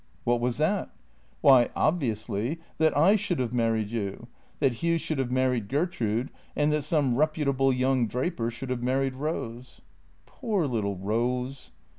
"What was it?" " Why — obviously — that I should have married you, that Hugh should have married Gertrude, and that some reputable young draper should have married Rose." " Poor little Rose